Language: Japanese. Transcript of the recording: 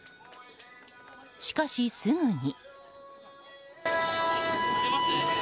しかし、すぐに。